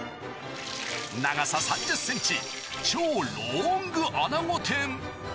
長さ３０センチ、超ロングアナゴ天。